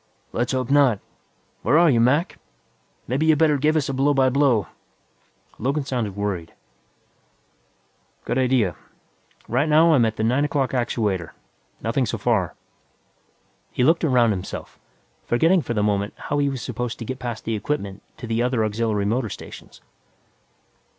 "Let's hope not. Where are you, Mac? Maybe you better give us a blow by blow." Logan sounded worried. "Good idea. Right now I'm at the nine o'clock actuator. Nothing so far." He looked around himself, forgetting for the moment how he was supposed to get past the equipment to the other auxiliary motor stations.